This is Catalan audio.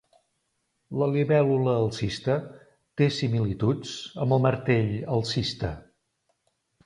La libèl·lula alcista té similituds amb el Martell alcista.